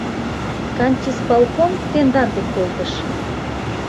Кантисполком тендан дек колтыш...